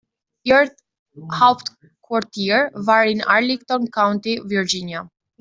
Ihr Hauptquartier war in Arlington County, Virginia.